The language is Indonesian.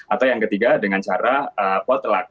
atau yang ketiga dengan cara potluck